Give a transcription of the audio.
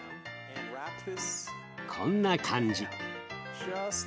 こんな感じ。